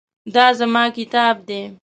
دا زما کتاب دی